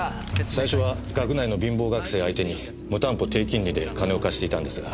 最初は学内の貧乏学生相手に無担保低金利で金を貸していたんですが。